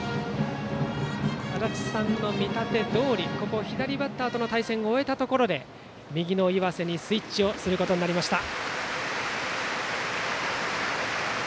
足達さんの見立てどおり左バッターとの対戦を終えたところで右の岩瀬にスイッチすることになりました。